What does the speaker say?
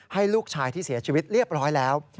ให้ลูกชายที่เสียชีวิตเรียบร้อยแล้ว